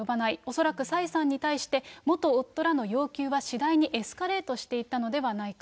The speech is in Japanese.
恐らく蔡さんに対して元夫らの要求は、次第にエスカレートしていったのではないか。